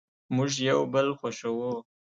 مونږ یو بل خوښوو